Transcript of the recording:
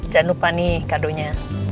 jangan lupa nih kadonya